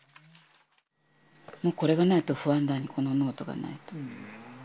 もうこれがないと不安、このノートがないと。